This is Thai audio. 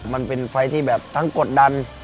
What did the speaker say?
มันเป็นไฟล์ที่แบบทั้งกดดัน